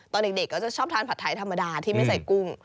ตอนเด็กก็จะชอบทานผัดไทยธรรมดาที่ไม่ใส่กุ้ง